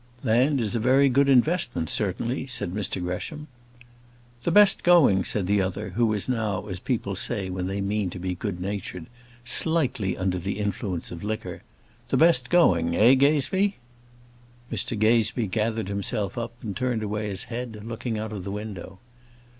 "Land is a very good investment, certainly," said Mr Gresham. "The best going," said the other, who was now, as people say when they mean to be good natured, slightly under the influence of liquor. "The best going eh, Gazebee?" Mr Gazebee gathered himself up, and turned away his head, looking out of the window.